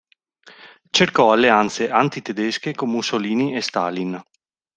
Cercò alleanze anti-tedesche con Mussolini e Stalin.